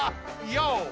ヨー！